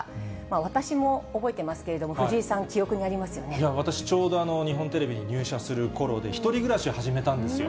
私も覚えてますけれども、藤井さん、私、ちょうど日本テレビに入社するころで、１人暮らしを始めたんですよ。